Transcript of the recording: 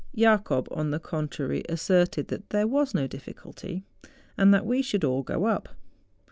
Jacob, on the contrary, asserted that there was no difficulty, and that we should all go up.